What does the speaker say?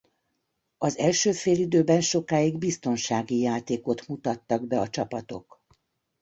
Az első félidőben sokáig biztonsági játékot mutattak be a csapatok.